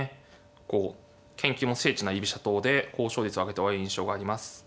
こう研究も精緻な居飛車党で高勝率をあげている印象があります。